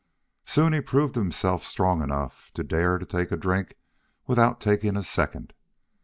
Soon he proved himself strong enough to dare to take a drink without taking a second.